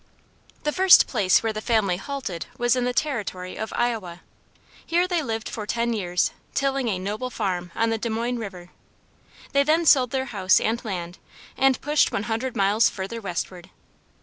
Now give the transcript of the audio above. The first place where the family halted was in the territory of Iowa. Here they lived for ten years tilling a noble farm on the Des Moines river. Then they sold their house and land, and pushed one hundred miles further westward.